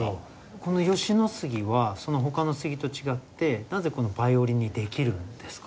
この吉野杉はその他の杉と違ってなぜヴァイオリンにできるんですか？